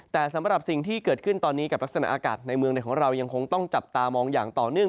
แต่สำหรับสิ่งที่เกิดขึ้นตอนนี้กับลักษณะอากาศในเมืองในของเรายังคงต้องจับตามองอย่างต่อเนื่อง